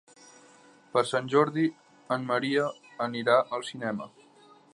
Per Sant Jordi en Maria anirà al cinema.